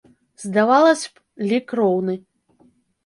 Здавалася б, лік роўны.